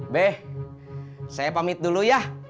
beh saya pamit dulu ya